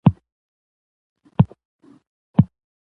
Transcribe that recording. همداسې تر ډېره وخته